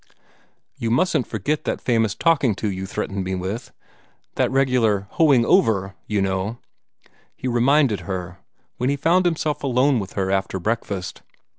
"You mustn't forget that famous talking to you threatened me with that 'regular hoeing over,' you know," he reminded her, when he found himself alone with her after breakfast.